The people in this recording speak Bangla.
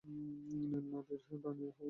নীলনদের রাণীর আহ্বানকে!